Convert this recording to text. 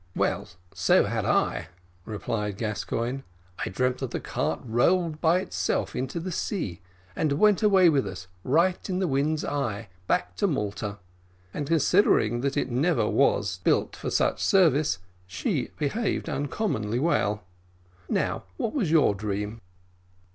"Well, so had I," replied Gascoigne. "I dreamt that the cart rolled by itself into the sea, and went away with us right in the wind's eye back to Malta; and, considering that it never was built for such service, she behaved uncommonly well. Now what was your dream?"